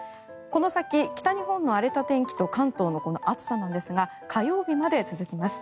この先、北日本の荒れた天気と関東のこの暑さなんですが火曜日まで続きます。